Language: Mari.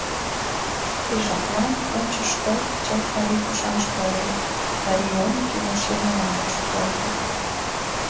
Ты жаплан Унчо школ чылт марий пушан школ ыле: марий йылме кӱлеш йылмыланак шотлалте.